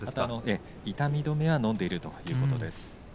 痛み止めを飲んでいるということです。